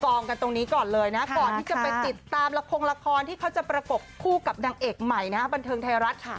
กันตรงนี้ก่อนเลยนะก่อนที่จะไปติดตามละครละครที่เขาจะประกบคู่กับนางเอกใหม่นะฮะบันเทิงไทยรัฐค่ะ